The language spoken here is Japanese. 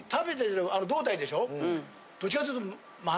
どっちかっていうと。